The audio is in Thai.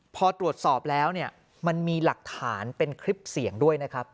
พอตรวจสอบแล้วเนี่ยมันมีหลักฐานเป็นคลิปเสียงด้วยนะครับ